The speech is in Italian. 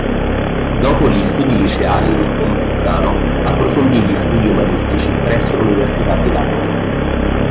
Dopo gli studi liceali in Conversano, approfondì gli studi umanistici presso l'Università di Napoli.